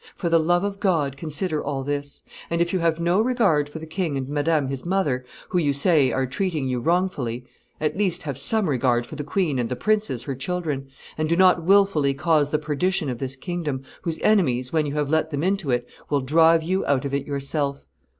For the love of God consider all this; and if you have no regard for the king and Madame his mother, who, you say, are treating you wrongfully, at least have some regard for the queen and the princes her children, and do not wilfully cause the perdition of this kingdom, whose enemies, when you have let them into it, will drive you out of it yourself."